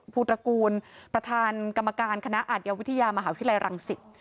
ภูตระกูลประธานกรรมการคณะอาทยาวิทยามหาวิทยาลัยรังสิต